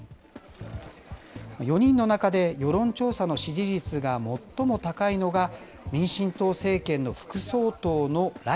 ４人の中で世論調査の支持率が最も高いのが、民進党政権の副総統の頼